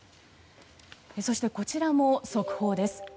そして、こちらも速報です。